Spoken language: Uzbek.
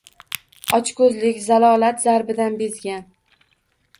Ochko’zlik, zalolat zarbidan bezgan